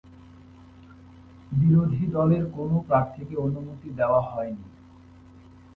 বিরোধী দলের কোনও প্রার্থীকে অনুমতি দেওয়া হয়নি।